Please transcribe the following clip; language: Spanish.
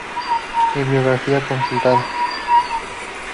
Bibliografía consultada